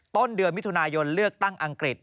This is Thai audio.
ต้นเดือนมิถุนายนเลือกตั้งอังกฤษ